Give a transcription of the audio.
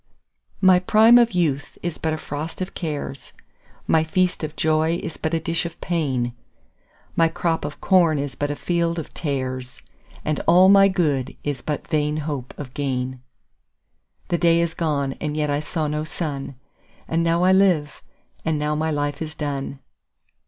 1My prime of youth is but a frost of cares,2My feast of joy is but a dish of pain,3My crop of corn is but a field of tares,4And all my good is but vain hope of gain.5The day is gone and yet I saw no sun,6And now I live, and now my life is done.